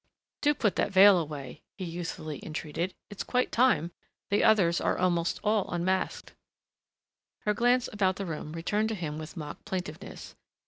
"Do put that veil away," he youthfully entreated. "It's quite time. The others are almost all unmasked." Her glance about the room returned to him with mock plaintiveness.